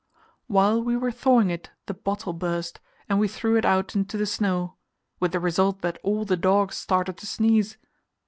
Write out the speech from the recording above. While we were thawing it the bottle burst, and we threw it out into the snow, with the result that all the dogs started to sneeze.